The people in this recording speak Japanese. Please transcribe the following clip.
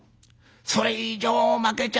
それ以上まけちゃ